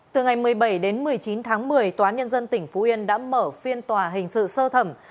từ ngày một mươi bảy đến một mươi chín tháng một mươi tòa nhân dân tỉnh phú yên đã mở phiên tòa hình sự sơ thẩm